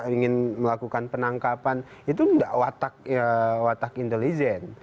ingin melakukan penangkapan itu tidak watak intelijen